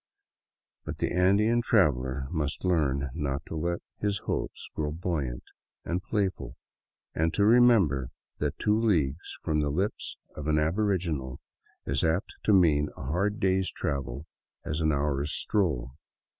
But the Andean traveler must learn not to let his hopes grow buoyant and playful, and to remember that two leagues from the lips of an abor iginal is as apt to mean a hard day's travel as an hour's stroll.